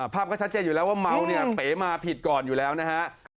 ภาพก็ชัดเจนอยู่แล้วว่าเมาเนี่ยเป๋มาผิดก่อนอยู่แล้วนะฮะ